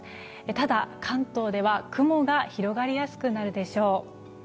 ただ、関東では雲が広がりやすくなるでしょう。